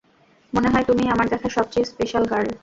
মনেহয় তুমিই আমার দেখা সবচেয়ে স্পেশাল গার্ল।